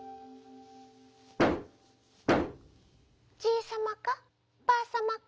「じいさまかばあさまか」。